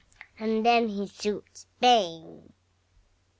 AND then he shoots BANG!